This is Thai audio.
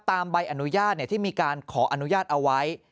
ใบอนุญาตที่มีการขออนุญาตเอาไว้